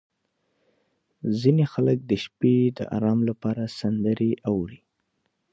• ځینې خلک د شپې د ارام لپاره سندرې اوري.